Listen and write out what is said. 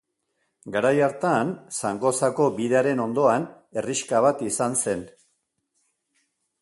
Garai hartan, Zangozako bidearen ondoan, herrixka bat izan zen.